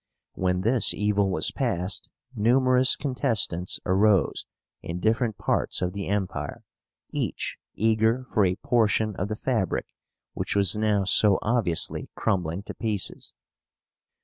When this evil was past, numerous contestants arose in different parts of the Empire, each eager for a portion of the fabric which was now so obviously crumbling to pieces.